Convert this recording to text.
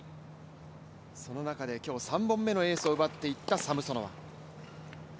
その中で今日３本目のエースを奪っていったサムソノワ。